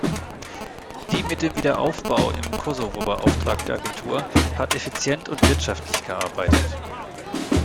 Die mit dem Wiederaufbau im Kosovo beauftragte Agentur hat effizient und wirtschaftlich gearbeitet.